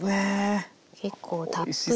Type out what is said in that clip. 結構たっぷり。